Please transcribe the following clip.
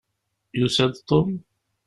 Yusa-d Tom?